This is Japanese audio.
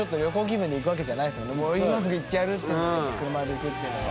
もう今すぐ行ってやるっていうので車で行くっていうのは。